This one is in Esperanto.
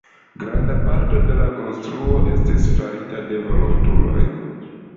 Granda parto de la konstruo estis farita de volontuloj.